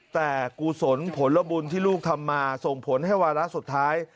แต่กุศลผลบุญที่ลูกทำมาส่งผลให้วาระสุดท้าย